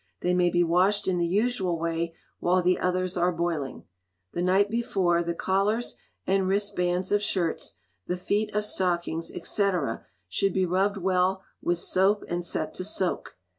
They may be washed in the usual way while the others are boiling. The night before, the collars and wristbands of shirts, the feet of stockings, &c., should be rubbed well with soap and set to soak.